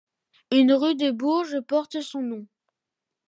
Une rue de Bourges porte son nom.